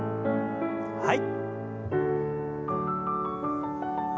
はい。